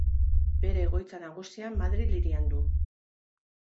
Bere egoitza nagusia Madril hirian du.